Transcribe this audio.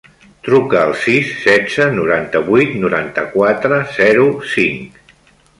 Truca al sis, setze, noranta-vuit, noranta-quatre, zero, cinc.